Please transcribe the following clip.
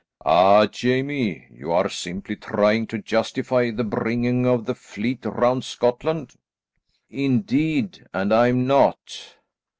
"Ah, Jamie, you are simply trying to justify the bringing of the fleet round Scotland." "Indeed and I am not.